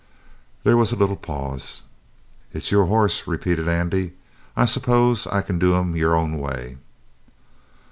There was a little pause. "It's your horse," repeated Andy. "I suppose I can do him your own way."